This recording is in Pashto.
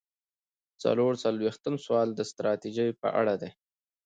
څلور څلویښتم سوال د ستراتیژۍ په اړه دی.